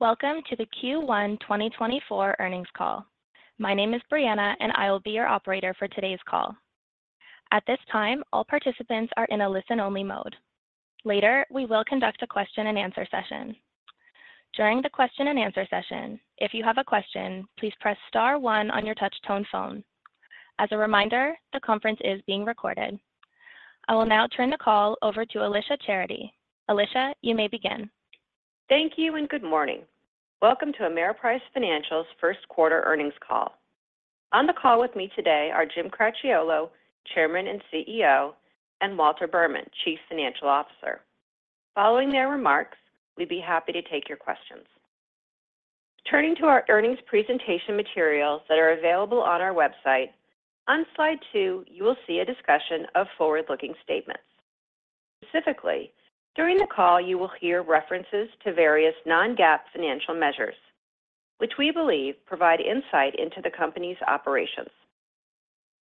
Welcome to the Q1 2024 earnings call. My name is Brianna and I will be your operator for today's call. At this time, all participants are in a listen-only mode. Later, we will conduct a question-and-answer session. During the question-and-answer session, if you have a question, please press star one on your touch-tone phone. As a reminder, the conference is being recorded. I will now turn the call over to Alicia Charity. Alicia, you may begin. Thank you and good morning. Welcome to Ameriprise Financial's first quarter earnings call. On the call with me today are Jim Cracchiolo, Chairman and CEO, and Walter Berman, Chief Financial Officer. Following their remarks, we'd be happy to take your questions. Turning to our earnings presentation materials that are available on our website, on Slide 2 you will see a discussion of forward-looking statements. Specifically, during the call you will hear references to various non-GAAP financial measures, which we believe provide insight into the company's operations.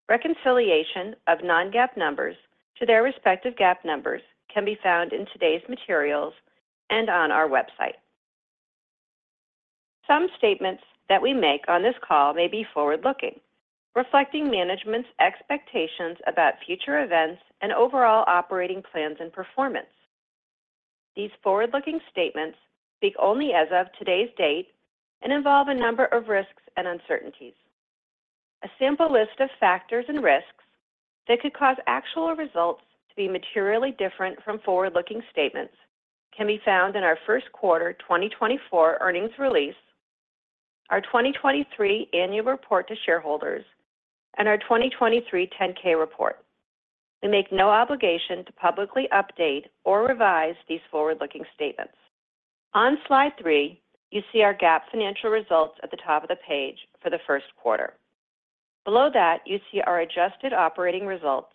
Reconciliation of non-GAAP numbers to their respective GAAP numbers can be found in today's materials and on our website. Some statements that we make on this call may be forward-looking, reflecting management's expectations about future events and overall operating plans and performance. These forward-looking statements speak only as of today's date and involve a number of risks and uncertainties. A sample list of factors and risks that could cause actual results to be materially different from forward-looking statements can be found in our first quarter 2024 earnings release, our 2023 annual report to shareholders, and our 2023 10-K report. We make no obligation to publicly update or revise these forward-looking statements. On Slide 3 you see our GAAP financial results at the top of the page for the first quarter. Below that you see our adjusted operating results,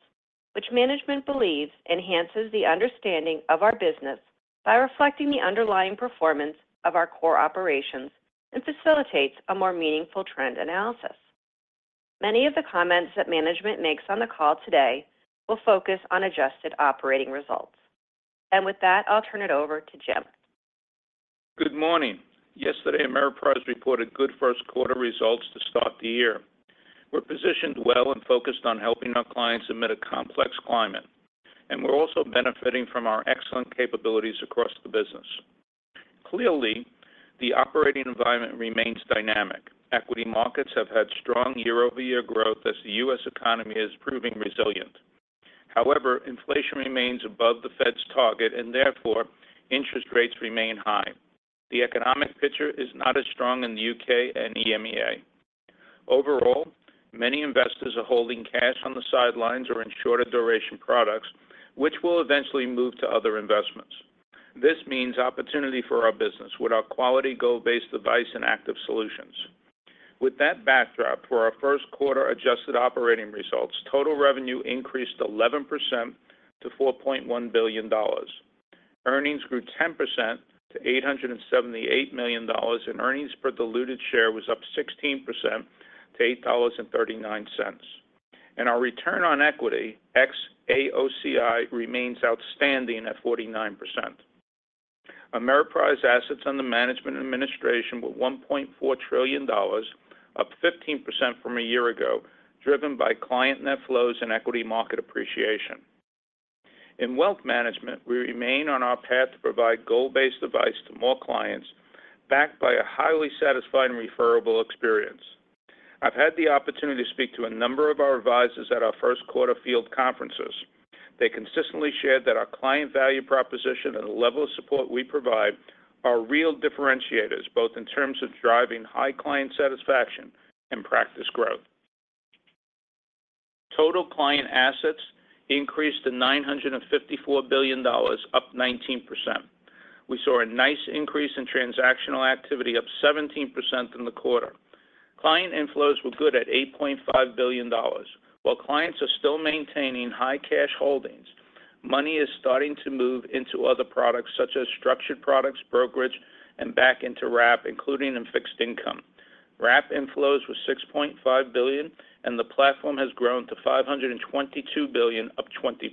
which management believes enhances the understanding of our business by reflecting the underlying performance of our core operations and facilitates a more meaningful trend analysis. Many of the comments that management makes on the call today will focus on adjusted operating results. With that, I'll turn it over to Jim. Good morning. Yesterday, Ameriprise reported good first quarter results to start the year. We're positioned well and focused on helping our clients amid a complex climate, and we're also benefiting from our excellent capabilities across the business. Clearly, the operating environment remains dynamic. Equity markets have had strong year-over-year growth as the U.S. economy is proving resilient. However, inflation remains above the Fed's target and therefore interest rates remain high. The economic picture is not as strong in the U.K. and EMEA. Overall, many investors are holding cash on the sidelines or in shorter-duration products, which will eventually move to other investments. This means opportunity for our business with our quality goal-based advice and active solutions. With that backdrop, for our first quarter adjusted operating results, total revenue increased 11% to $4.1 billion. Earnings grew 10% to $878 million and earnings per diluted share was up 16% to $8.39. Our return on equity ex-AOCI remains outstanding at 49%. Ameriprise assets under management and administration were $1.4 trillion, up 15% from a year ago, driven by client net flows and equity market appreciation. In wealth management, we remain on our path to provide goal-based advice to more clients, backed by a highly satisfying referral experience. I've had the opportunity to speak to a number of our advisors at our first quarter field conferences. They consistently shared that our client value proposition and the level of support we provide are real differentiators, both in terms of driving high client satisfaction and practice growth. Total client assets increased to $954 billion, up 19%. We saw a nice increase in transactional activity, up 17% in the quarter. Client inflows were good at $8.5 billion. While clients are still maintaining high cash holdings, money is starting to move into other products such as structured products, brokerage, and back into wrap, including in fixed income. Wrap inflows were $6.5 billion and the platform has grown to $522 billion, up 20%.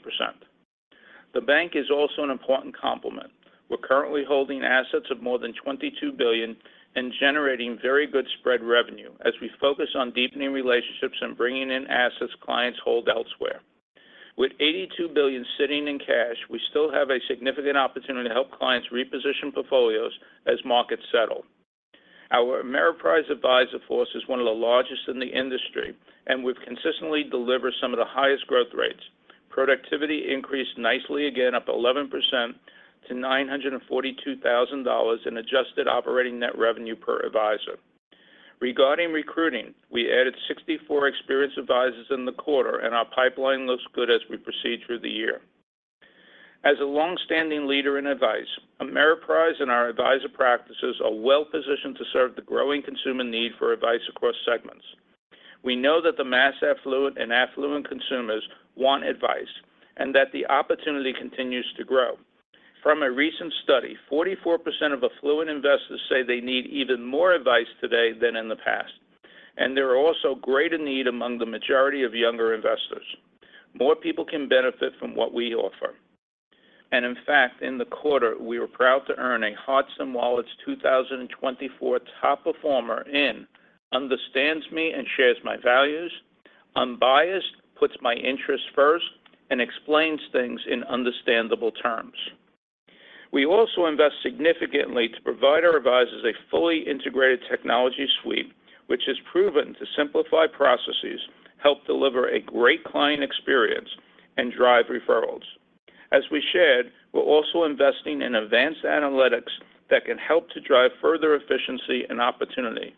The bank is also an important complement. We're currently holding assets of more than $22 billion and generating very good spread revenue as we focus on deepening relationships and bringing in assets clients hold elsewhere. With $82 billion sitting in cash, we still have a significant opportunity to help clients reposition portfolios as markets settle. Our Ameriprise advisor force is one of the largest in the industry and we've consistently delivered some of the highest growth rates. Productivity increased nicely again, up 11% to $942,000 in adjusted operating net revenue per advisor. Regarding recruiting, we added 64 experienced advisors in the quarter and our pipeline looks good as we proceed through the year. As a long-standing leader in advice, Ameriprise and our advisor practices are well positioned to serve the growing consumer need for advice across segments. We know that the mass affluent and affluent consumers want advice and that the opportunity continues to grow. From a recent study, 44% of affluent investors say they need even more advice today than in the past, and there are also greater need among the majority of younger investors. More people can benefit from what we offer. In fact, in the quarter, we were proud to earn a Hearts & Wallets 2024 top performer in "Understands Me and Shares My Values," "Unbiased," "Puts My Interests First," and "Explains Things in Understandable Terms." We also invest significantly to provide our advisors a fully integrated technology suite, which has proven to simplify processes, help deliver a great client experience, and drive referrals. As we shared, we're also investing in advanced analytics that can help to drive further efficiency and opportunity.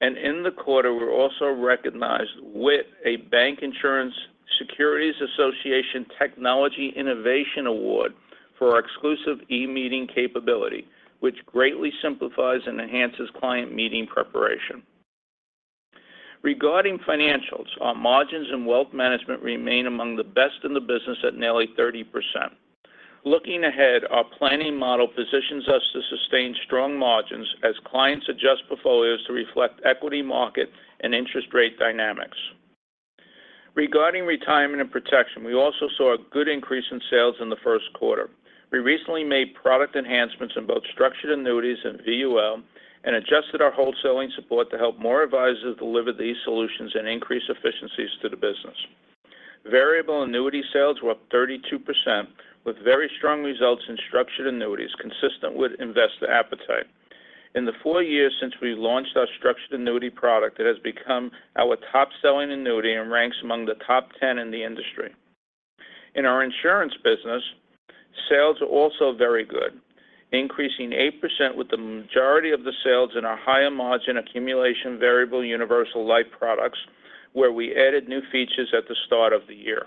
In the quarter, we're also recognized with a Bank Insurance & Securities Association Technology Innovation Award for our exclusive e-Meeting capability, which greatly simplifies and enhances client meeting preparation. Regarding financials, our margins in wealth management remain among the best in the business at nearly 30%. Looking ahead, our planning model positions us to sustain strong margins as clients adjust portfolios to reflect equity market and interest rate dynamics. Regarding retirement and protection, we also saw a good increase in sales in the first quarter. We recently made product enhancements in both structured annuities and VUL and adjusted our wholesaling support to help more advisors deliver these solutions and increase efficiencies to the business. Variable annuity sales were up 32%, with very strong results in structured annuities, consistent with investor appetite. In the four years since we launched our structured annuity product, it has become our top-selling annuity and ranks among the top 10 in the industry. In our insurance business, sales are also very good, increasing 8% with the majority of the sales in our higher margin accumulation variable universal life products, where we added new features at the start of the year.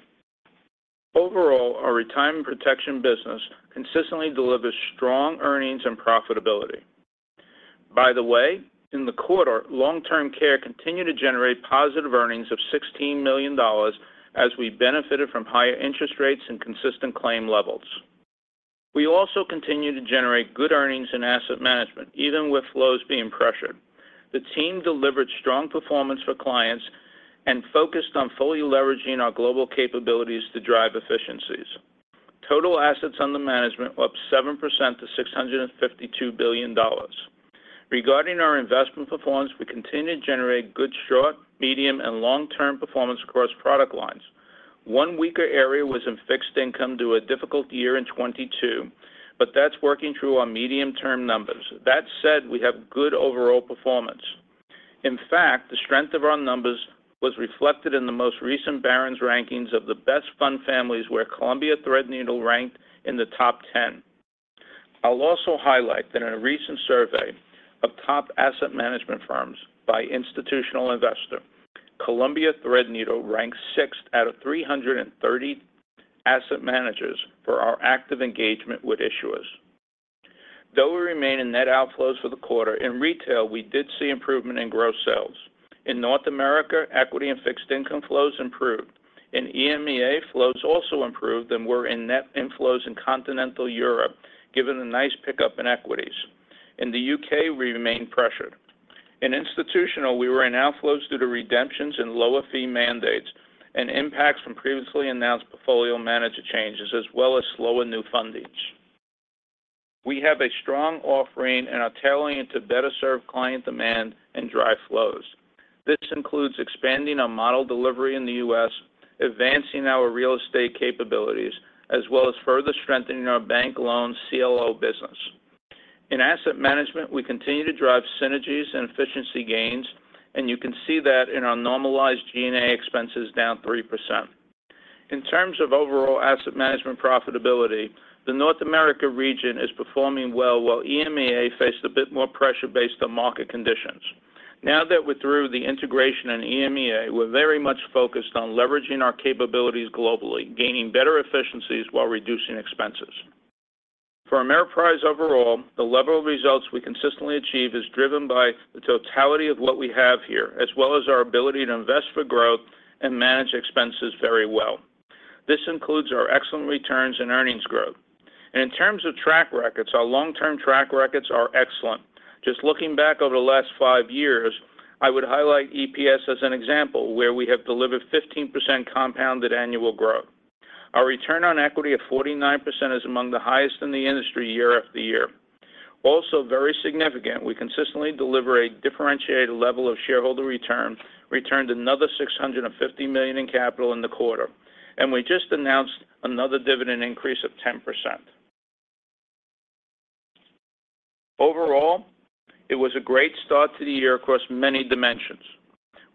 Overall, our retirement protection business consistently delivers strong earnings and profitability. By the way, in the quarter, long-term care continued to generate positive earnings of $16 million as we benefited from higher interest rates and consistent claim levels. We also continue to generate good earnings in asset management, even with flows being pressured. The team delivered strong performance for clients and focused on fully leveraging our global capabilities to drive efficiencies. Total assets under management were up 7% to $652 billion. Regarding our investment performance, we continue to generate good short, medium, and long-term performance across product lines. One weaker area was in fixed income due to a difficult year in 2022, but that's working through our medium-term numbers. That said, we have good overall performance. In fact, the strength of our numbers was reflected in the most recent Barron's rankings of the best fund families, where Columbia Threadneedle ranked in the top 10. I'll also highlight that in a recent survey of top asset management firms by Institutional Investor, Columbia Threadneedle ranked 6th out of 330 asset managers for our active engagement with issuers. Though we remain in net outflows for the quarter, in retail we did see improvement in gross sales. In North America, equity and fixed income flows improved. In EMEA, flows also improved and were in net inflows in Continental Europe, given a nice pickup in equities. In the U.K., we remained pressured. In institutional, we were in outflows due to redemptions and lower fee mandates and impacts from previously announced portfolio manager changes, as well as slower new fundings. We have a strong offering and are tailing into better-served client demand and drive flows. This includes expanding our model delivery in the U.S., advancing our real estate capabilities, as well as further strengthening our bank loan CLO business. In asset management, we continue to drive synergies and efficiency gains, and you can see that in our normalized G&A expenses down 3%. In terms of overall asset management profitability, the North America region is performing well, while EMEA faced a bit more pressure based on market conditions. Now that we're through the integration in EMEA, we're very much focused on leveraging our capabilities globally, gaining better efficiencies while reducing expenses. For Ameriprise overall, the level of results we consistently achieve is driven by the totality of what we have here, as well as our ability to invest for growth and manage expenses very well. This includes our excellent returns and earnings growth. In terms of track records, our long-term track records are excellent. Just looking back over the last five years, I would highlight EPS as an example, where we have delivered 15% compounded annual growth. Our return on equity of 49% is among the highest in the industry year after year. Also, very significant, we consistently deliver a differentiated level of shareholder return, returned another $650 million in capital in the quarter, and we just announced another dividend increase of 10%. Overall, it was a great start to the year across many dimensions.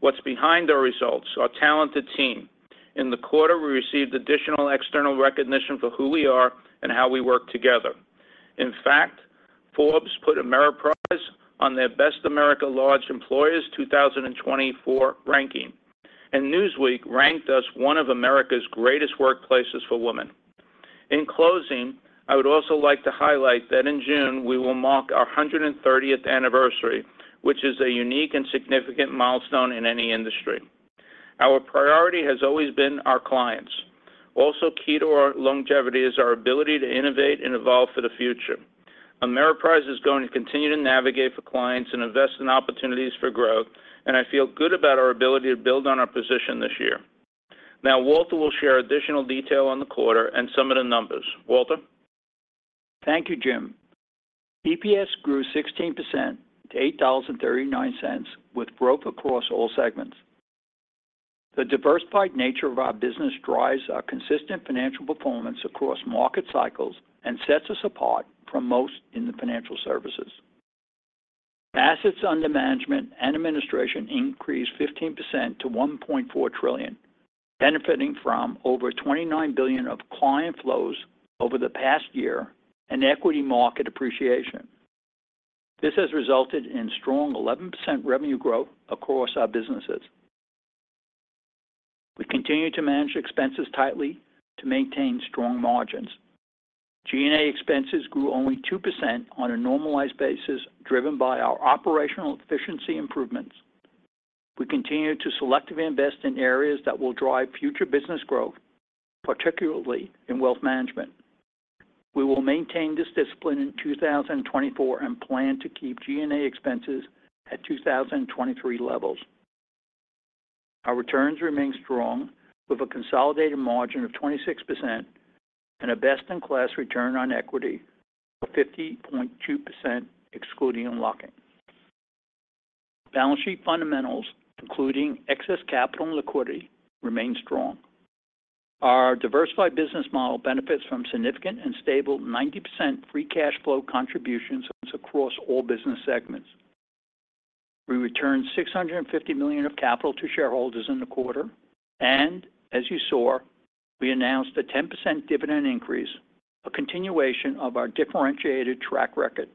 What's behind our results? Our talented team. In the quarter, we received additional external recognition for who we are and how we work together. In fact, Forbes put Ameriprise on their Best America Large Employers 2024 ranking, and Newsweek ranked us one of America's greatest workplaces for women. In closing, I would also like to highlight that in June we will mark our 130th anniversary, which is a unique and significant milestone in any industry. Our priority has always been our clients. Also, key to our longevity is our ability to innovate and evolve for the future. Ameriprise is going to continue to navigate for clients and invest in opportunities for growth, and I feel good about our ability to build on our position this year. Now, Walter will share additional detail on the quarter and some of the numbers. Walter? Thank you, Jim. EPS grew 16% to $8.39, with growth across all segments. The diversified nature of our business drives our consistent financial performance across market cycles and sets us apart from most in the financial services. Assets under management and administration increased 15% to $1.4 trillion, benefiting from over $29 billion of client flows over the past year and equity market appreciation. This has resulted in strong 11% revenue growth across our businesses. We continue to manage expenses tightly to maintain strong margins. G&A expenses grew only 2% on a normalized basis, driven by our operational efficiency improvements. We continue to selectively invest in areas that will drive future business growth, particularly in wealth management. We will maintain this discipline in 2024 and plan to keep G&A expenses at 2023 levels. Our returns remain strong, with a consolidated margin of 26% and a best-in-class return on equity of 50.2% excluding unlocking. Balance sheet fundamentals, including excess capital and liquidity, remain strong. Our diversified business model benefits from significant and stable 90% free cash flow contributions across all business segments. We returned $650 million of capital to shareholders in the quarter, and as you saw, we announced a 10% dividend increase, a continuation of our differentiated track record.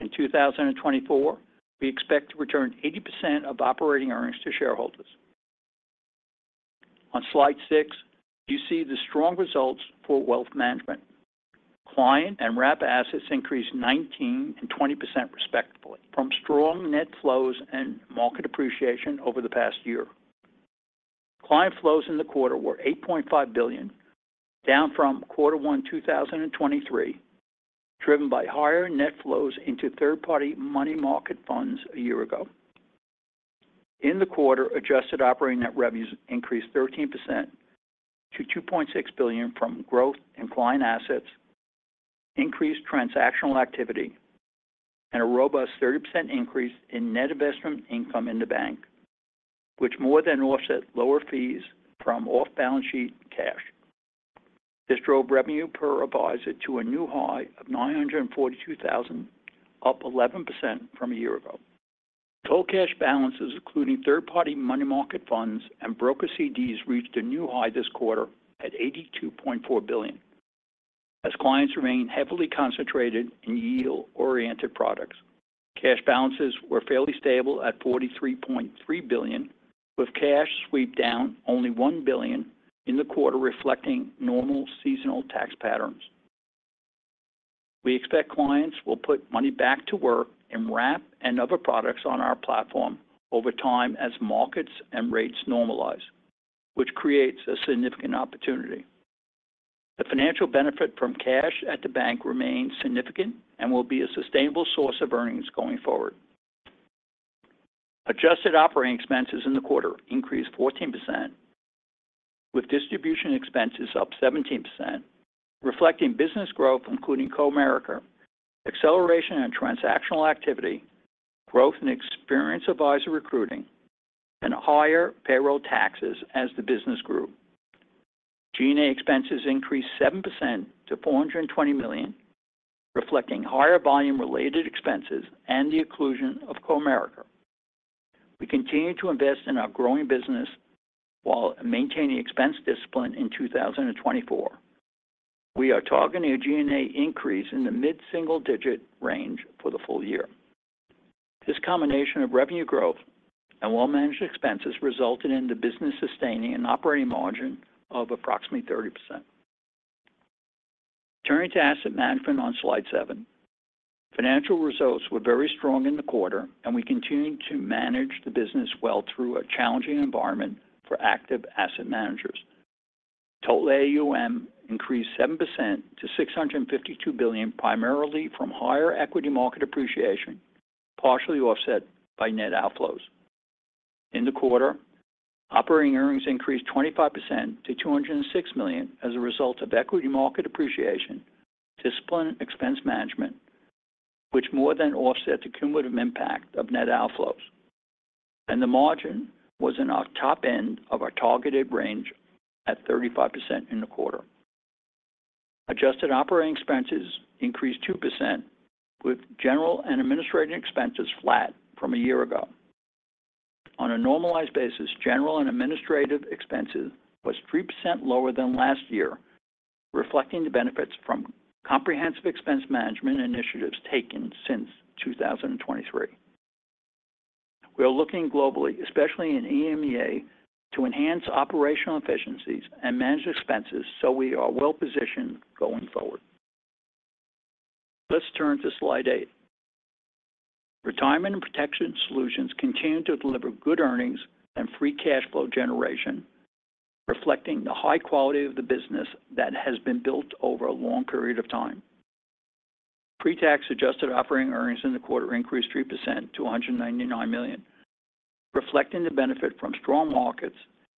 In 2024, we expect to return 80% of operating earnings to shareholders. On slide six, you see the strong results for Wealth Management. Client and RAP assets increased 19% and 20% respectively, from strong net flows and market appreciation over the past year. Client flows in the quarter were $8.5 billion, down from quarter one 2023, driven by higher net flows into third-party money market funds a year ago. In the quarter, adjusted operating net revenues increased 13% to $2.6 billion from growth in client assets, increased transactional activity, and a robust 30% increase in net investment income in the bank, which more than offset lower fees from off-balance sheet cash. This drove revenue per advisor to a new high of $942,000, up 11% from a year ago. Total cash balances, including third-party money market funds and brokered CDs, reached a new high this quarter at $82.4 billion. As clients remain heavily concentrated in yield-oriented products, cash balances were fairly stable at $43.3 billion, with cash swept down only $1 billion in the quarter, reflecting normal seasonal tax patterns. We expect clients will put money back to work in RAP and other products on our platform over time as markets and rates normalize, which creates a significant opportunity. The financial benefit from cash at the bank remains significant and will be a sustainable source of earnings going forward. Adjusted operating expenses in the quarter increased 14%, with distribution expenses up 17%, reflecting business growth, including Comerica, acceleration in transactional activity, growth in experienced advisor recruiting, and higher payroll taxes as the business grew. G&A expenses increased 7% to $420 million, reflecting higher volume-related expenses and the inclusion of Comerica. We continue to invest in our growing business while maintaining expense discipline in 2024. We are targeting a G&A increase in the mid-single digit range for the full year. This combination of revenue growth and well-managed expenses resulted in the business sustaining an operating margin of approximately 30%. Turning to asset management on Slide 7, financial results were very strong in the quarter, and we continue to manage the business well through a challenging environment for active asset managers. Total AUM increased 7% to $652 billion, primarily from higher equity market appreciation, partially offset by net outflows. In the quarter, operating earnings increased 25% to $206 million as a result of equity market appreciation, disciplined expense management, which more than offset the cumulative impact of net outflows. The margin was in our top end of our targeted range at 35% in the quarter. Adjusted operating expenses increased 2%, with general and administrative expenses flat from a year ago. On a normalized basis, general and administrative expenses were 3% lower than last year, reflecting the benefits from comprehensive expense management initiatives taken since 2023. We are looking globally, especially in EMEA, to enhance operational efficiencies and manage expenses so we are well-positioned going forward. Let's turn to Slide 8. Retirement and protection solutions continue to deliver good earnings and free cash flow generation, reflecting the high quality of the business that has been built over a long period of time. Pre-tax adjusted operating earnings in the quarter increased 3% to $199 million, reflecting the benefit from strong markets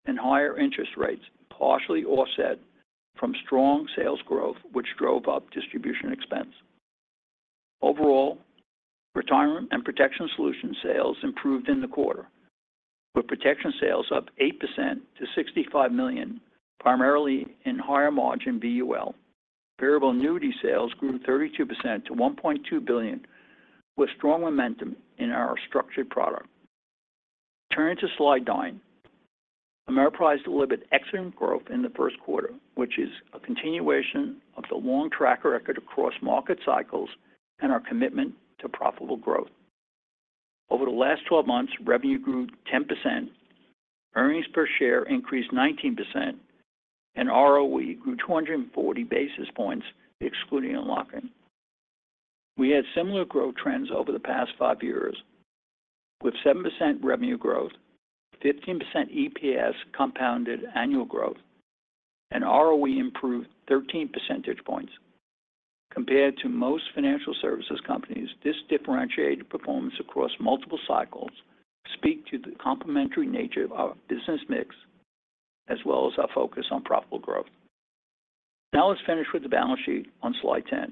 and higher interest rates, partially offset from strong sales growth, which drove up distribution expense. Overall, retirement and protection solution sales improved in the quarter, with protection sales up 8% to $65 million, primarily in higher margin VUL. Variable annuity sales grew 32% to $1.2 billion, with strong momentum in our structured product. Turning to Slide 9, Ameriprise delivered excellent growth in the first quarter, which is a continuation of the long track record across market cycles and our commitment to profitable growth. Over the last 12 months, revenue grew 10%, earnings per share increased 19%, and ROE grew 240 basis points excluding unlocking. We had similar growth trends over the past five years, with 7% revenue growth, 15% EPS compounded annual growth, and ROE improved 13 percentage points. Compared to most financial services companies, this differentiated performance across multiple cycles speaks to the complementary nature of our business mix, as well as our focus on profitable growth. Now let's finish with the balance sheet on Slide 10.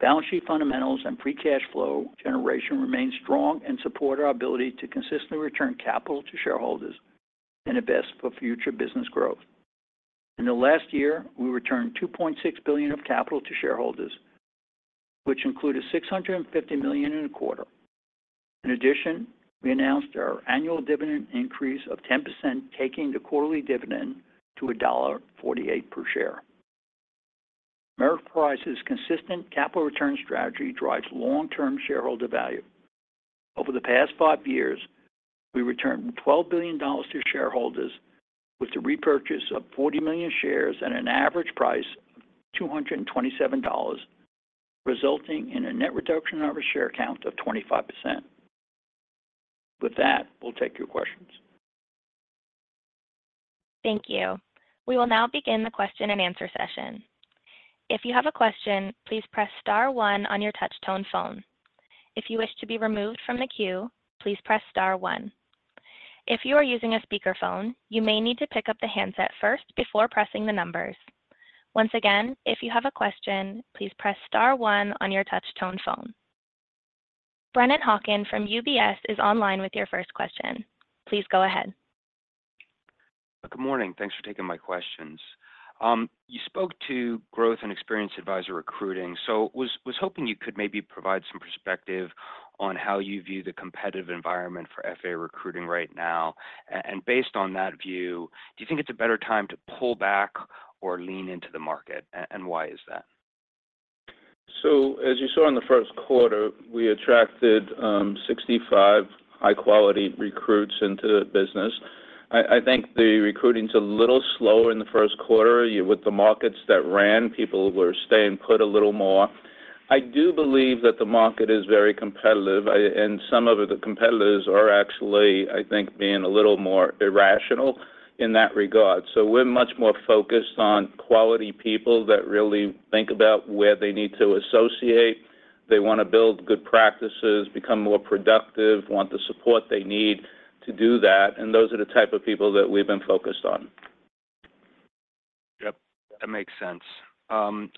Balance sheet fundamentals and free cash flow generation remain strong and support our ability to consistently return capital to shareholders and invest for future business growth. In the last year, we returned $2.6 billion of capital to shareholders, which included $650 million in the quarter. In addition, we announced our annual dividend increase of 10%, taking the quarterly dividend to $1.48 per share. Ameriprise's consistent capital return strategy drives long-term shareholder value. Over the past five years, we returned $12 billion to shareholders with the repurchase of 40 million shares at an average price of $227, resulting in a net reduction of our share count of 25%. With that, we'll take your questions. Thank you. We will now begin the question-and-answer session. If you have a question, please press star one on your touch-tone phone. If you wish to be removed from the queue, please press star one. If you are using a speakerphone, you may need to pick up the handset first before pressing the numbers. Once again, if you have a question, please press star one on your touch-tone phone. Brennan Hawken from UBS is online with your first question. Please go ahead. Good morning. Thanks for taking my questions. You spoke to growth and experience advisor recruiting, so I was hoping you could maybe provide some perspective on how you view the competitive environment for FA recruiting right now. And based on that view, do you think it's a better time to pull back or lean into the market, and why is that? As you saw in the first quarter, we attracted 65 high-quality recruits into the business. I think the recruiting's a little slower in the first quarter. With the markets that ran, people were staying put a little more. I do believe that the market is very competitive, and some of the competitors are actually, I think, being a little more irrational in that regard. We're much more focused on quality people that really think about where they need to associate. They want to build good practices, become more productive, want the support they need to do that. And those are the type of people that we've been focused on. Yep. That makes sense.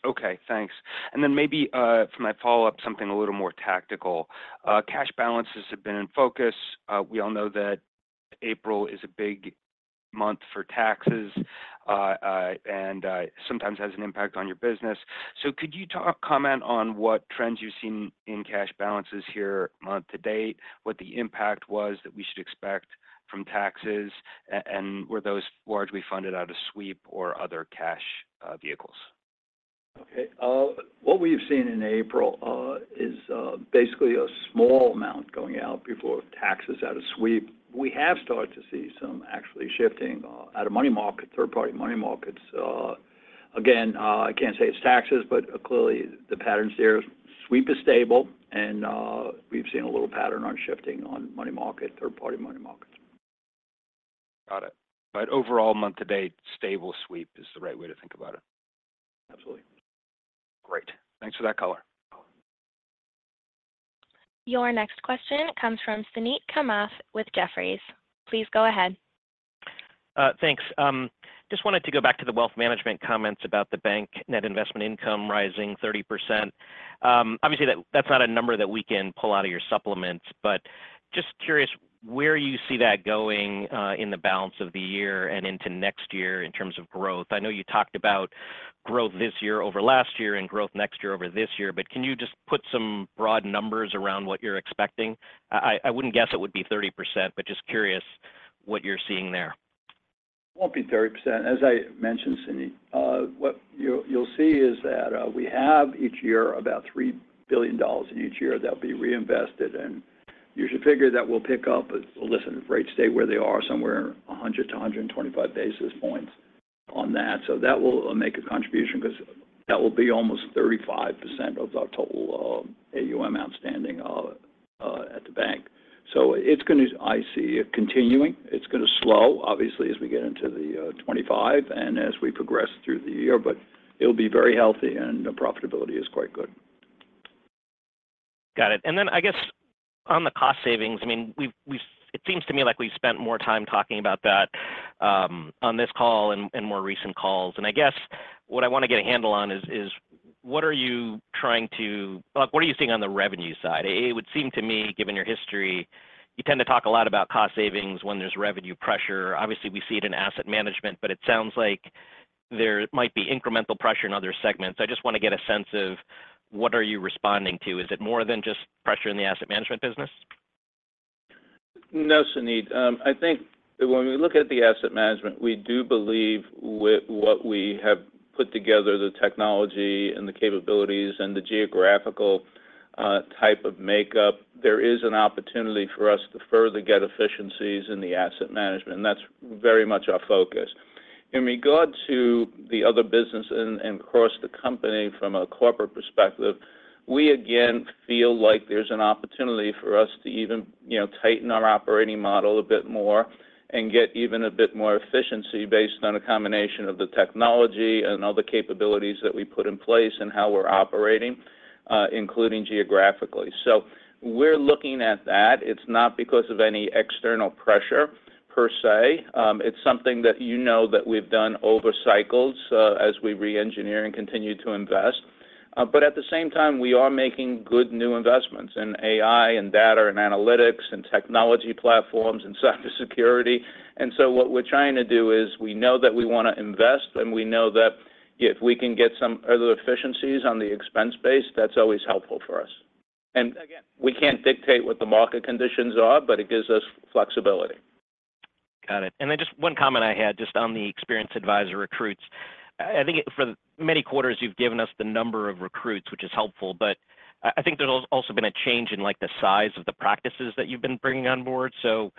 Okay. Thanks. And then maybe for my follow-up, something a little more tactical. Cash balances have been in focus. We all know that April is a big month for taxes and sometimes has an impact on your business. So could you comment on what trends you've seen in cash balances here month to date, what the impact was that we should expect from taxes, and were those largely funded out of sweep or other cash vehicles? Okay. What we've seen in April is basically a small amount going out before taxes out of sweep. We have started to see some actually shifting out of money market, third-party money markets. Again, I can't say it's taxes, but clearly, the patterns there, sweep is stable, and we've seen a little pattern on shifting on money market, third-party money markets. Got it. But overall, month to date, stable sweep is the right way to think about it. Absolutely. Great. Thanks for that color. Your next question comes from Suneet Kamath with Jefferies. Please go ahead. Thanks. Just wanted to go back to the wealth management comments about the bank net investment income rising 30%. Obviously, that's not a number that we can pull out of your supplements, but just curious where you see that going in the balance of the year and into next year in terms of growth. I know you talked about growth this year over last year and growth next year over this year, but can you just put some broad numbers around what you're expecting? I wouldn't guess it would be 30%, but just curious what you're seeing there. It won't be 30%. As I mentioned, Suneet, what you'll see is that we have each year about $3 billion in each year that'll be reinvested. And you should figure that will pick up. Listen, rates stay where they are, somewhere 100-125 basis points on that. So that will make a contribution because that will be almost 35% of our total AUM outstanding at the bank. So I see it continuing. It's going to slow, obviously, as we get into the 2025 and as we progress through the year, but it'll be very healthy, and profitability is quite good. Got it. Then I guess on the cost savings, I mean, it seems to me like we've spent more time talking about that on this call and more recent calls. I guess what I want to get a handle on is what are you seeing on the revenue side? It would seem to me, given your history, you tend to talk a lot about cost savings when there's revenue pressure. Obviously, we see it in asset management, but it sounds like there might be incremental pressure in other segments. I just want to get a sense of what are you responding to? Is it more than just pressure in the asset management business? No, Suneet. I think when we look at the asset management, we do believe with what we have put together, the technology and the capabilities and the geographical type of makeup, there is an opportunity for us to further get efficiencies in the asset management. That's very much our focus. In regard to the other business and across the company from a corporate perspective, we, again, feel like there's an opportunity for us to even tighten our operating model a bit more and get even a bit more efficiency based on a combination of the technology and other capabilities that we put in place and how we're operating, including geographically. We're looking at that. It's not because of any external pressure, per se. It's something that you know that we've done over cycles as we re-engineer and continue to invest. But at the same time, we are making good new investments in AI and data and analytics and technology platforms and cybersecurity. And so what we're trying to do is we know that we want to invest, and we know that if we can get some other efficiencies on the expense base, that's always helpful for us. And again, we can't dictate what the market conditions are, but it gives us flexibility. Got it. Then just one comment I had just on the experienced advisor recruits. I think for many quarters, you've given us the number of recruits, which is helpful, but I think there's also been a change in the size of the practices that you've been bringing on board. So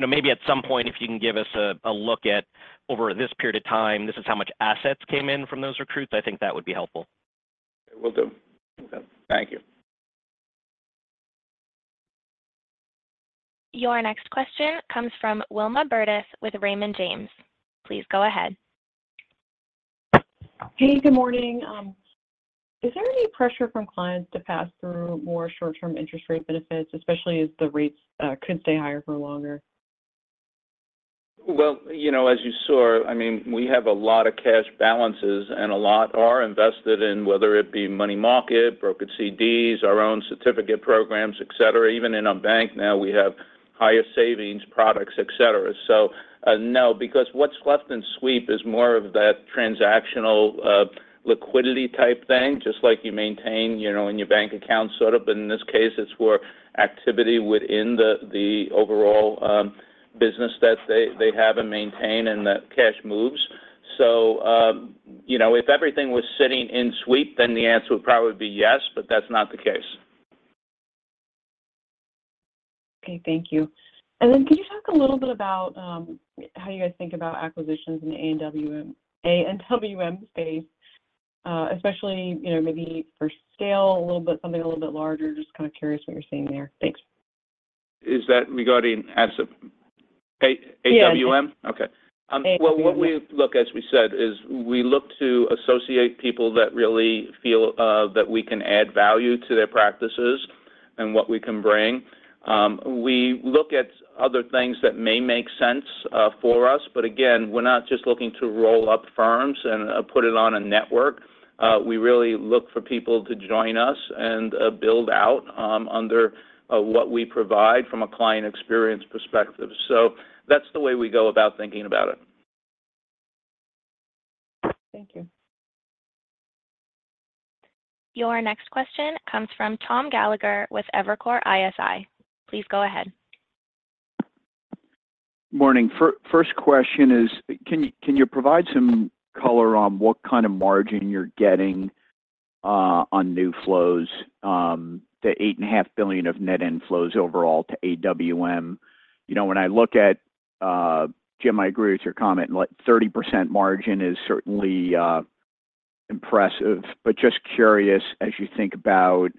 maybe at some point, if you can give us a look at over this period of time, this is how much assets came in from those recruits, I think that would be helpful. Will do. Thank you. Your next question comes from Wilma Burdis with Raymond James. Please go ahead. Hey, good morning. Is there any pressure from clients to pass through more short-term interest rate benefits, especially as the rates could stay higher for longer? Well, as you saw, I mean, we have a lot of cash balances, and a lot are invested in whether it be money market, Brokered CDs, our own certificate programs, etc. Even in our bank now, we have higher savings products, etc. So no, because what's left in sweep is more of that transactional liquidity type thing, just like you maintain in your bank account sort of. But in this case, it's for activity within the overall business that they have and maintain and that cash moves. So if everything was sitting in sweep, then the answer would probably be yes, but that's not the case. Okay. Thank you. And then could you talk a little bit about how you guys think about acquisitions in the A&WM space, especially maybe for scale, something a little bit larger? Just kind of curious what you're seeing there. Thanks. Is that regarding AWM? Yes. Okay. Well, what we look, as we said, is we look to associate people that really feel that we can add value to their practices and what we can bring. We look at other things that may make sense for us. But again, we're not just looking to roll up firms and put it on a network. We really look for people to join us and build out under what we provide from a client experience perspective. So that's the way we go about thinking about it. Thank you. Your next question comes from Tom Gallagher with Evercore ISI. Please go ahead. Morning. First question is, can you provide some color on what kind of margin you're getting on new flows, the $8.5 billion of net inflows overall to AWM? When I look at Jim, I agree with your comment. 30% margin is certainly impressive. But just curious, as you think about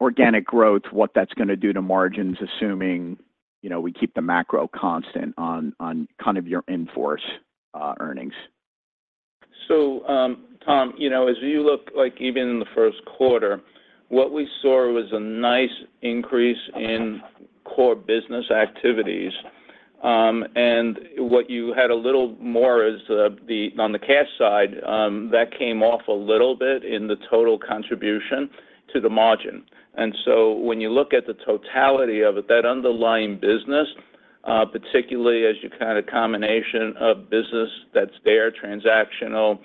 organic growth, what that's going to do to margins, assuming we keep the macro constant on kind of your in-force earnings. So Tom, as you look, even in the first quarter, what we saw was a nice increase in core business activities. And what you had a little more is on the cash side, that came off a little bit in the total contribution to the margin. And so when you look at the totality of it, that underlying business, particularly as you kind of combination of business that's there, transactional,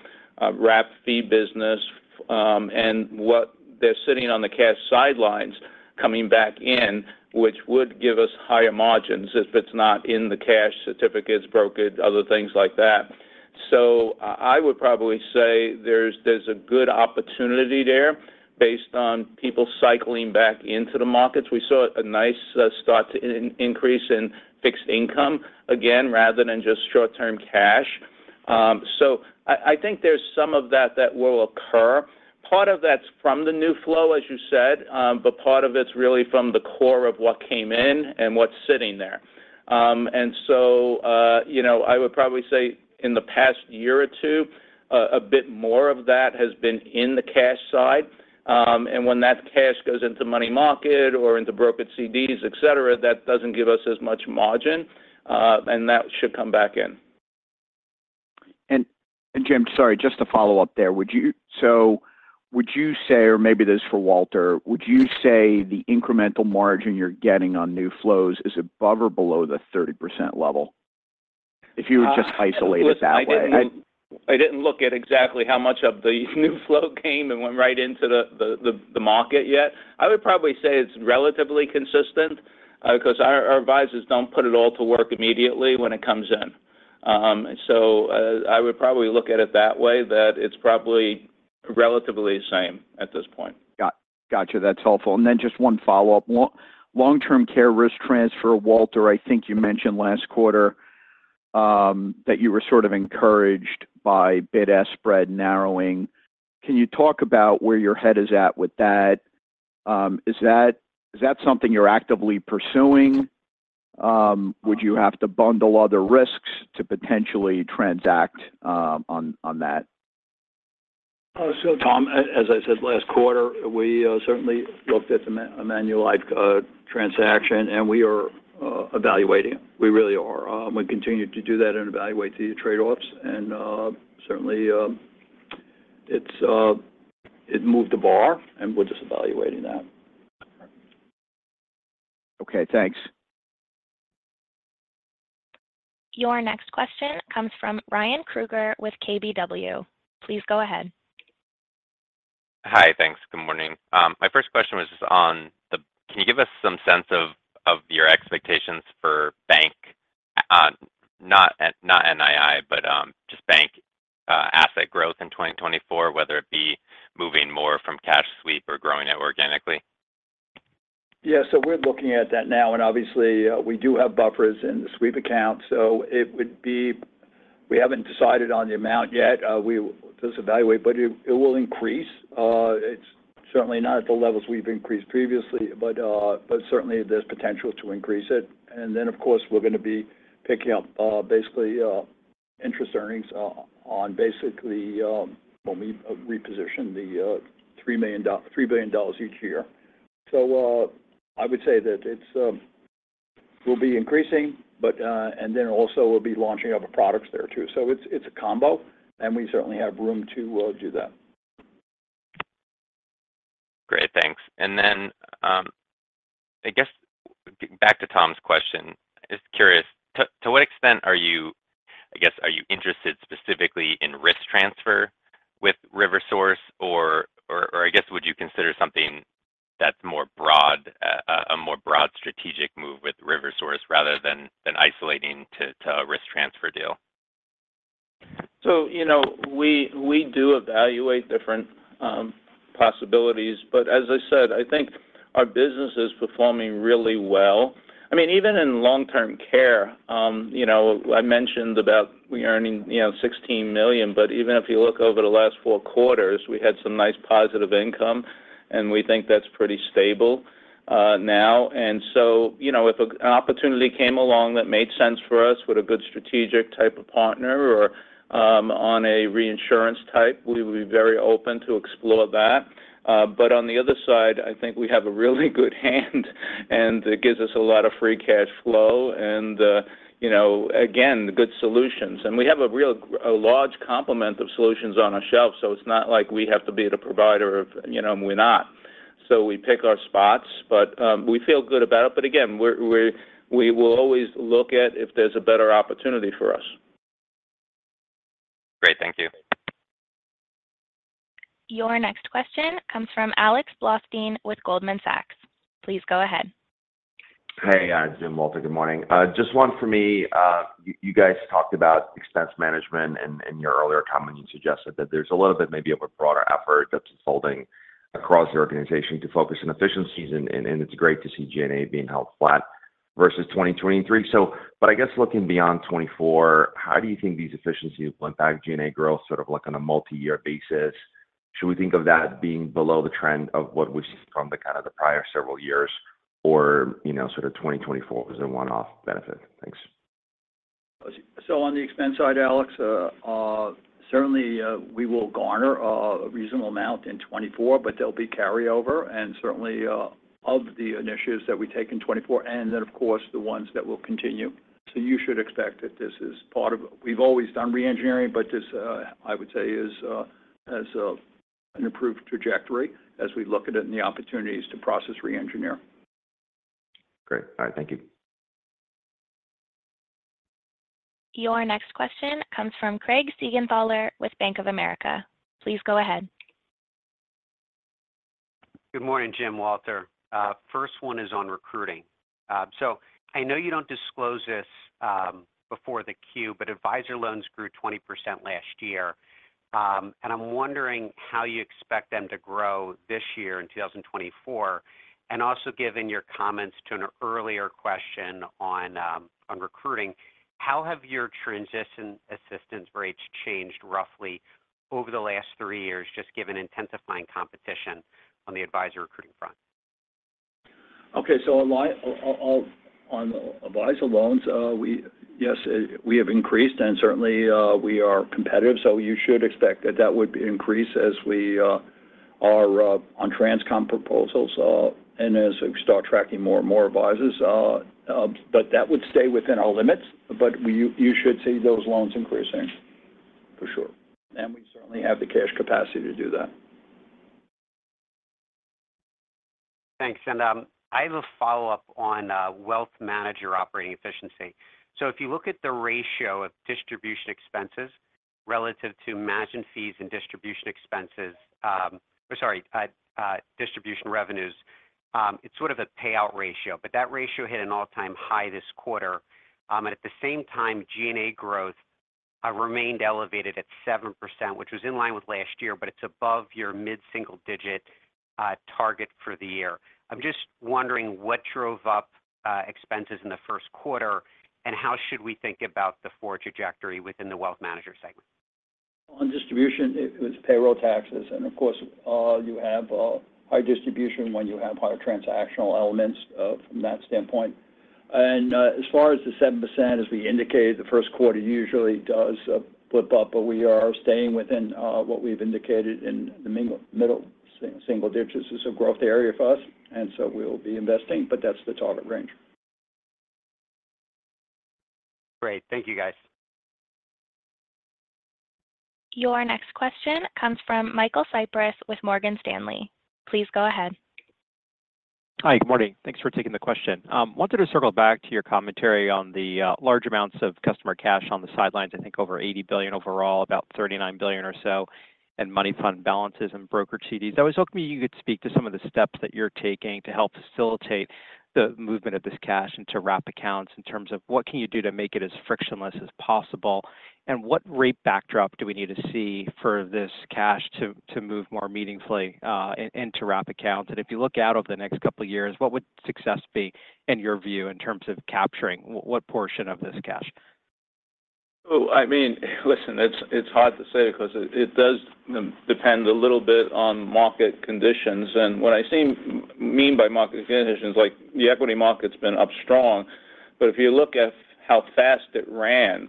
wrap fee business, and what they're sitting on the cash sidelines coming back in, which would give us higher margins if it's not in the cash, certificates, brokered, other things like that. So I would probably say there's a good opportunity there based on people cycling back into the markets. We saw a nice start to increase in fixed income, again, rather than just short-term cash. So I think there's some of that that will occur. Part of that's from the new flow, as you said, but part of it's really from the core of what came in and what's sitting there. And so I would probably say in the past year or two, a bit more of that has been in the cash side. And when that cash goes into money market or into brokered CDs, etc., that doesn't give us as much margin, and that should come back in. Jim, sorry, just to follow up there, so would you say, or maybe this is for Walter, would you say the incremental margin you're getting on new flows is above or below the 30% level if you were just isolated that way? I didn't look at exactly how much of the new flow came and went right into the market yet. I would probably say it's relatively consistent because our advisors don't put it all to work immediately when it comes in. So I would probably look at it that way, that it's probably relatively the same at this point. Gotcha. That's helpful. And then just one follow-up. Long-Term Care risk transfer, Walter, I think you mentioned last quarter that you were sort of encouraged by bid-ask spread narrowing. Can you talk about where your head is at with that? Is that something you're actively pursuing? Would you have to bundle other risks to potentially transact on that? Tom, as I said, last quarter, we certainly looked at the Manulife transaction, and we are evaluating. We really are. We continue to do that and evaluate the trade-offs. Certainly, it moved the bar, and we're just evaluating that. Okay. Thanks. Your next question comes from Ryan Kruger with KBW. Please go ahead. Hi. Thanks. Good morning. My first question was just on, can you give us some sense of your expectations for bank, not NII, but just bank asset growth in 2024, whether it be moving more from cash sweep or growing it organically? Yeah. So we're looking at that now. And obviously, we do have buffers in the sweep account. So it would be. We haven't decided on the amount yet. We'll just evaluate. But it will increase. It's certainly not at the levels we've increased previously, but certainly, there's potential to increase it. And then, of course, we're going to be picking up basically interest earnings on basically when we reposition the $3 billion each year. So I would say that it will be increasing, and then also, we'll be launching other products there too. So it's a combo, and we certainly have room to do that. Great. Thanks. And then I guess back to Tom's question, just curious, to what extent are you I guess, are you interested specifically in risk transfer with RiverSource, or I guess would you consider something that's more broad, a more broad strategic move with RiverSource rather than isolating to a risk transfer deal? So we do evaluate different possibilities. But as I said, I think our business is performing really well. I mean, even in long-term care, I mentioned about we're earning $16 million. But even if you look over the last four quarters, we had some nice positive income, and we think that's pretty stable now. And so if an opportunity came along that made sense for us with a good strategic type of partner or on a reinsurance type, we would be very open to explore that. But on the other side, I think we have a really good hand, and it gives us a lot of free cash flow and, again, good solutions. And we have a large complement of solutions on our shelf, so it's not like we have to be the provider. We're not. So we pick our spots, but we feel good about it. But again, we will always look at if there's a better opportunity for us. Great. Thank you. Your next question comes from Alex Blostein with Goldman Sachs. Please go ahead. Hey, Jim, Walter. Good morning. Just one for me. You guys talked about expense management in your earlier comment. You suggested that there's a little bit maybe of a broader effort that's unfolding across the organization to focus on efficiencies. It's great to see G&A being held flat versus 2023. But I guess looking beyond 2024, how do you think these efficiencies will impact G&A growth sort of on a multi-year basis? Should we think of that being below the trend of what we've seen from kind of the prior several years, or sort of 2024 was a one-off benefit? Thanks. So on the expense side, Alex, certainly, we will garner a reasonable amount in 2024, but there'll be carryover. Certainly, of the initiatives that we take in 2024 and then, of course, the ones that will continue. So you should expect that this is part of we've always done reengineering, but this, I would say, has an improved trajectory as we look at it and the opportunities to process reengineer. Great. All right. Thank you. Your next question comes from Craig Siegenthaler with Bank of America. Please go ahead. Good morning, Jim, Walter. First one is on recruiting. So I know you don't disclose this before the queue, but advisor loans grew 20% last year. And I'm wondering how you expect them to grow this year in 2024. And also given your comments to an earlier question on recruiting, how have your transition assistance rates changed roughly over the last three years, just given intensifying competition on the advisor recruiting front? Okay. So on advisor loans, yes, we have increased, and certainly, we are competitive. So you should expect that that would increase as we are on trans-com proposals and as we start tracking more and more advisors. But that would stay within our limits. But you should see those loans increasing, for sure. And we certainly have the cash capacity to do that. Thanks. I have a follow-up on wealth management operating efficiency. So if you look at the ratio of distribution expenses relative to management fees and distribution expenses or sorry, distribution revenues, it's sort of a payout ratio. But that ratio hit an all-time high this quarter. And at the same time, G&A growth remained elevated at 7%, which was in line with last year, but it's above your mid-single-digit target for the year. I'm just wondering what drove up expenses in the first quarter, and how should we think about the forward trajectory within the Wealth Management segment? On distribution, it was payroll taxes. And of course, you have higher distribution when you have higher transactional elements from that standpoint. And as far as the 7%, as we indicated, the first quarter usually does flip up, but we are staying within what we've indicated in the middle single digits. It's a growth area for us, and so we'll be investing, but that's the target range. Great. Thank you, guys. Your next question comes from Michael Cyprys with Morgan Stanley. Please go ahead. Hi. Good morning. Thanks for taking the question. I wanted to circle back to your commentary on the large amounts of customer cash on the sidelines, I think over $80 billion overall, about $39 billion or so, and money fund balances and brokered CDs. I was hoping you could speak to some of the steps that you're taking to help facilitate the movement of this cash into wrap accounts in terms of what can you do to make it as frictionless as possible? And what rate backdrop do we need to see for this cash to move more meaningfully into wrap accounts? And if you look out over the next couple of years, what would success be, in your view, in terms of capturing what portion of this cash? Oh, I mean, listen, it's hard to say because it does depend a little bit on market conditions. What I mean by market conditions is the equity market's been up strong. But if you look at how fast it ran,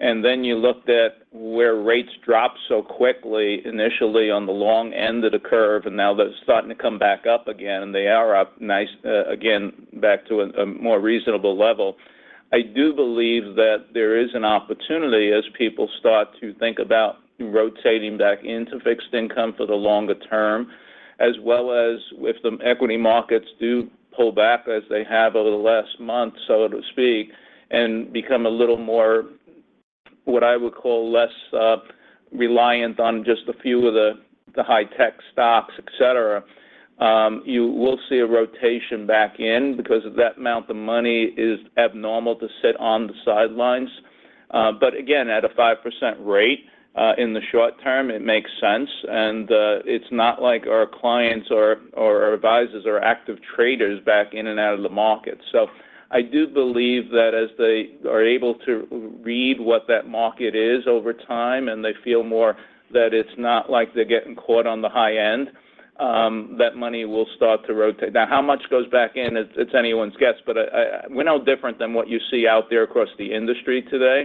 and then you looked at where rates dropped so quickly initially on the long end of the curve, and now they're starting to come back up again, and they are up nice, again, back to a more reasonable level, I do believe that there is an opportunity as people start to think about rotating back into fixed income for the longer term, as well as if the equity markets do pull back as they have over the last month, so to speak, and become a little more, what I would call, less reliant on just a few of the high-tech stocks, etc., you will see a rotation back in because that amount of money is abnormal to sit on the sidelines. But again, at a 5% rate in the short term, it makes sense. It's not like our clients or our advisors are active traders back in and out of the market. So I do believe that as they are able to read what that market is over time and they feel more that it's not like they're getting caught on the high end, that money will start to rotate. Now, how much goes back in, it's anyone's guess, but we're no different than what you see out there across the industry today.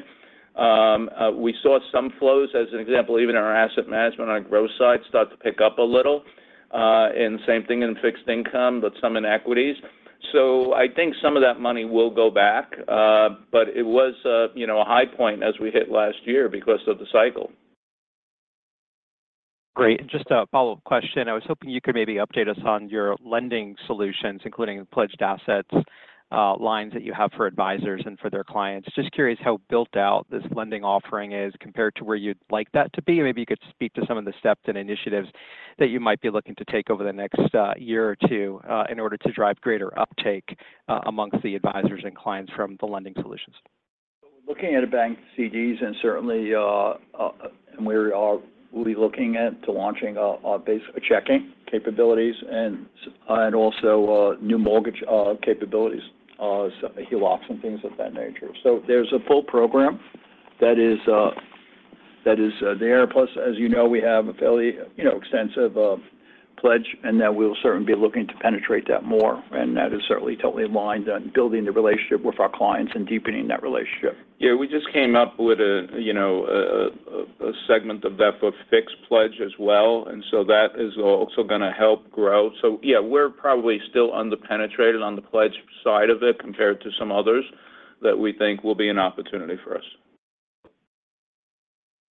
We saw some flows, as an example, even in our asset management, on our growth side, start to pick up a little. And same thing in fixed income, but some in equities. So I think some of that money will go back. But it was a high point as we hit last year because of the cycle. Great. Just a follow-up question. I was hoping you could maybe update us on your lending solutions, including pledged assets lines that you have for advisors and for their clients. Just curious how built out this lending offering is compared to where you'd like that to be. Maybe you could speak to some of the steps and initiatives that you might be looking to take over the next year or two in order to drive greater uptake amongst the advisors and clients from the lending solutions. So we're looking at bank CDs, and certainly, we'll be looking at launching checking capabilities and also new mortgage capabilities, HELOCs, and things of that nature. So there's a full program that is there. Plus, as you know, we have a fairly extensive pledge, and that we'll certainly be looking to penetrate that more. And that is certainly totally aligned on building the relationship with our clients and deepening that relationship. Yeah. We just came up with a segment of that for fixed pledge as well. And so that is also going to help grow. So yeah, we're probably still underpenetrated on the pledge side of it compared to some others that we think will be an opportunity for us.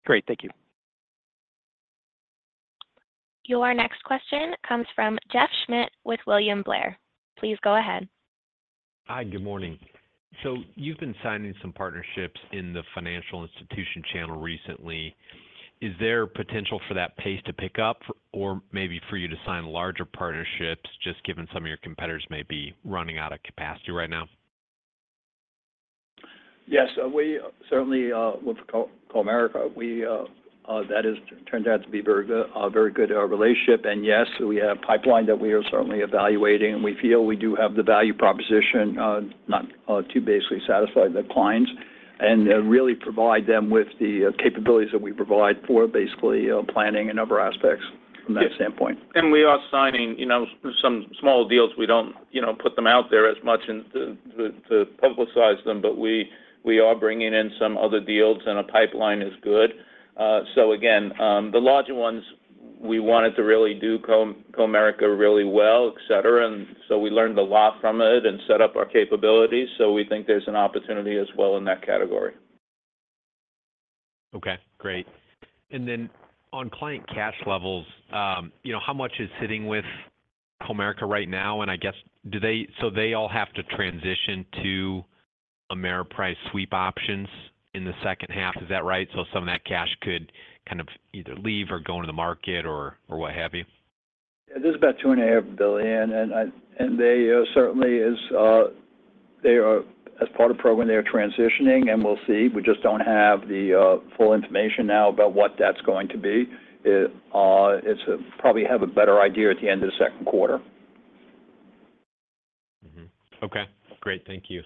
Great. Thank you. Your next question comes from Jeff Schmitt with William Blair. Please go ahead. Hi. Good morning. So you've been signing some partnerships in the financial institution channel recently. Is there potential for that pace to pick up or maybe for you to sign larger partnerships just given some of your competitors may be running out of capacity right now? Yes. Certainly, with Comerica, that has turned out to be a very good relationship. Yes, we have a pipeline that we are certainly evaluating. We feel we do have the value proposition to basically satisfy the clients and really provide them with the capabilities that we provide for basically planning and other aspects from that standpoint. We are signing some small deals. We don't put them out there as much to publicize them, but we are bringing in some other deals, and a pipeline is good. So again, the larger ones, we wanted to really do Comerica really well, etc. And so we learned a lot from it and set up our capabilities. So we think there's an opportunity as well in that category. Okay. Great. And then on client cash levels, how much is sitting with Comerica right now? And I guess, so they all have to transition to Ameriprise sweep options in the second half. Is that right? So some of that cash could kind of either leave or go into the market or what have you? Yeah. This is about $2.5 billion. And certainly, as part of the program, they are transitioning, and we'll see. We just don't have the full information now about what that's going to be. We'll probably have a better idea at the end of the second quarter. Okay. Great. Thank you.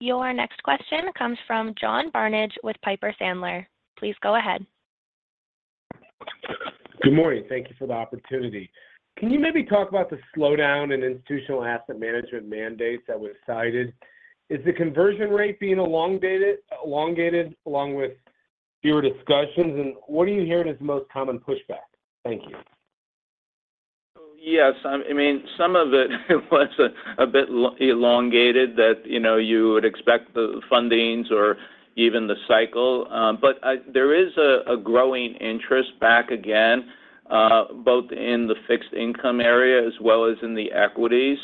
Your next question comes from John Barnage with Piper Sandler. Please go ahead. Good morning. Thank you for the opportunity. Can you maybe talk about the slowdown in institutional asset management mandates that was cited? Is the conversion rate being elongated along with fewer discussions? And what are you hearing as the most common pushback? Thank you. Yes. I mean, some of it was a bit elongated that you would expect the fundings or even the cycle. But there is a growing interest back again, both in the fixed income area as well as in the equities.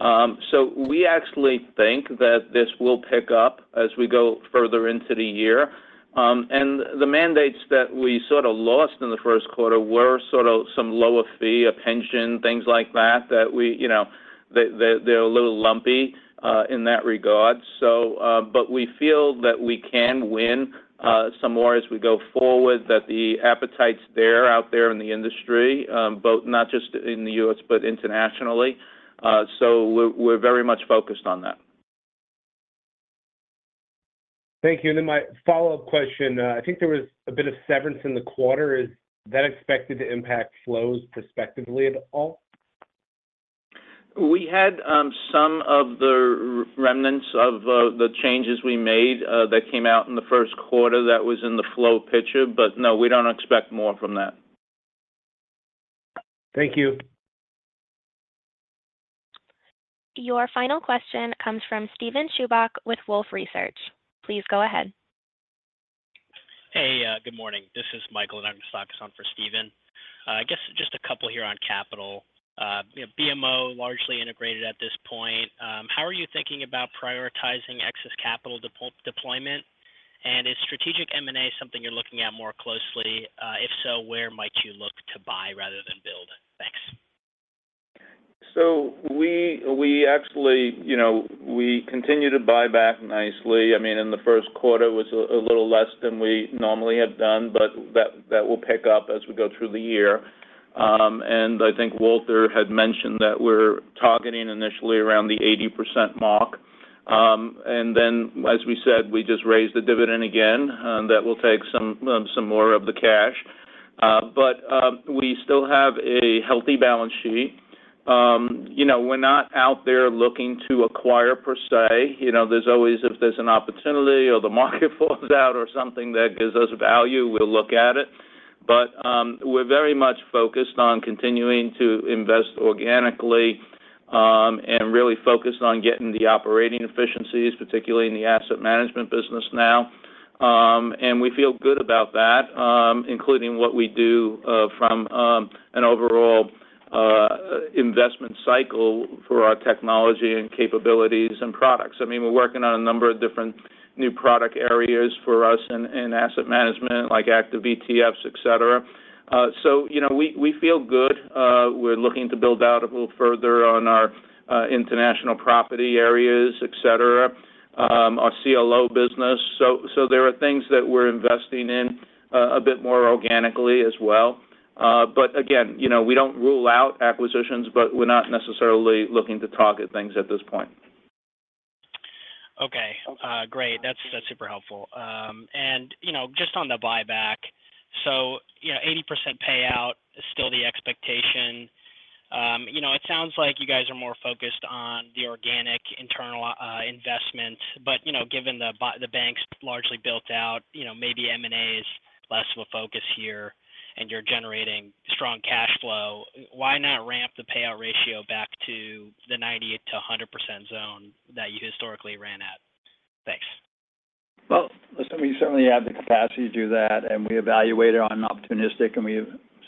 So we actually think that this will pick up as we go further into the year. And the mandates that we sort of lost in the first quarter were sort of some lower fee, a pension, things like that, that they're a little lumpy in that regard. But we feel that we can win some more as we go forward, that the appetite's there out there in the industry, not just in the U.S. but internationally. So we're very much focused on that. Thank you. And then my follow-up question, I think there was a bit of severance in the quarter. Is that expected to impact flows prospectively at all? We had some of the remnants of the changes we made that came out in the first quarter that was in the flow picture. But no, we don't expect more from that. Thank you. Your final question comes from Steven Chubak with Wolfe Research. Please go ahead. Hey. Good morning. This is Michael, and I'm going to talk some for Steven. I guess just a couple here on capital. BMO largely integrated at this point. How are you thinking about prioritizing excess capital deployment? And is strategic M&A something you're looking at more closely? If so, where might you look to buy rather than build? Thanks. So we actually continue to buy back nicely. I mean, in the first quarter, it was a little less than we normally have done, but that will pick up as we go through the year. And I think Walter had mentioned that we're targeting initially around the 80% mark. And then, as we said, we just raised the dividend again. That will take some more of the cash. But we still have a healthy balance sheet. We're not out there looking to acquire, per se. There's always, if there's an opportunity or the market falls out or something that gives us value, we'll look at it. But we're very much focused on continuing to invest organically and really focused on getting the operating efficiencies, particularly in the asset management business now. We feel good about that, including what we do from an overall investment cycle for our technology and capabilities and products. I mean, we're working on a number of different new product areas for us in asset management, like active ETFs, etc. So we feel good. We're looking to build out a little further on our international property areas, etc., our CLO business. So there are things that we're investing in a bit more organically as well. But again, we don't rule out acquisitions, but we're not necessarily looking to target things at this point. Okay. Great. That's super helpful. And just on the buyback, so 80% payout is still the expectation. It sounds like you guys are more focused on the organic internal investment. But given the bank's largely built out, maybe M&A is less of a focus here, and you're generating strong cash flow, why not ramp the payout ratio back to the 90%-100% zone that you historically ran at? Thanks. Well, listen, we certainly have the capacity to do that, and we evaluate it on an opportunistic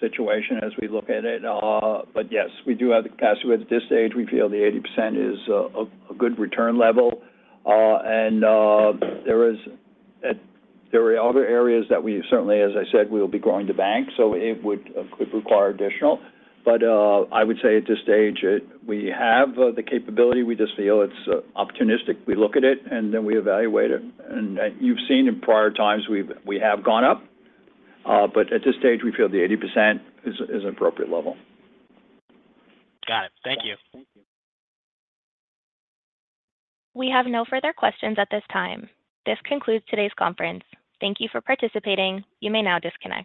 situation as we look at it. But yes, we do have the capacity. At this stage, we feel the 80% is a good return level. And there are other areas that we certainly, as I said, we will be growing the bank, so it would require additional. But I would say, at this stage, we have the capability. We just feel it's opportunistic. We look at it, and then we evaluate it. And you've seen in prior times, we have gone up. But at this stage, we feel the 80% is an appropriate level. Got it. Thank you. We have no further questions at this time. This concludes today's conference. Thank you for participating. You may now disconnect.